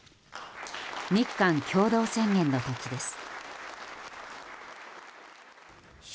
日韓共同宣言の時です。